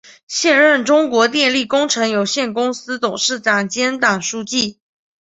现任中国电力工程有限公司董事长兼党书记。